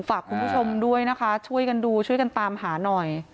ฝากคุณผู้ชมด้วยนะคะช่วยกันดูช่วยกันตามหาหน่อย